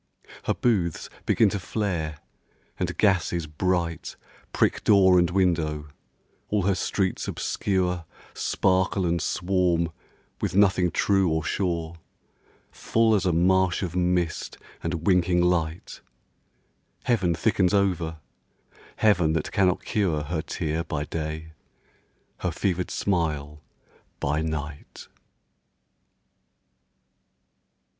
Her booths begin to flare; and gases bright Prick door and window; all her streets obscure Sparkle and swarm with nothing true or sure, Full as a marsh of mist and winking light; Heaven thickens over, Heaven that cannot cure Her tear by day, her fevered smile by night.